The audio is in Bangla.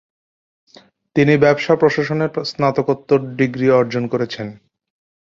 তিনি ব্যবসা প্রশাসনে স্নাতকোত্তর ডিগ্রি অর্জন করেছেন।